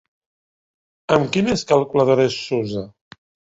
Amb quines calculadores s'usa?